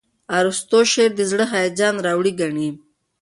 ارستو شعر د زړه هیجان راوړي ګڼي.